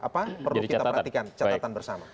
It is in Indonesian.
apa perlu kita perhatikan catatan bersama